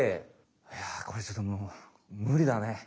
いやこれちょっともうむりだね。